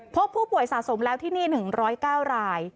พบผู้ป่วยสะสมแล้วที่นี่๑๐๙ราย